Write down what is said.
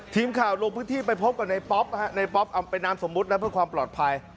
ทีมข่าวลงพื้นที่ไปพบกับในป๊อปในป๊อปเป็นนามสมมุตินะเพื่อความปลอดภัย